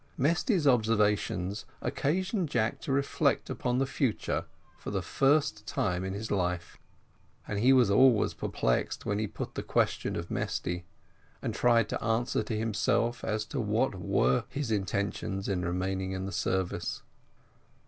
Mesty's observations occasioned Jack to reflect upon the future for the first time in his life; and he was always perplexed when he put the question of Mesty, and tried to answer to himself as to what were his intentions in remaining in the service.